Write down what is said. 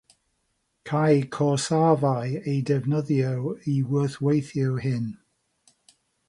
Câi coesarfau eu defnyddio i wrthweithio hyn.